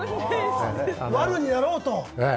ワルになろうと。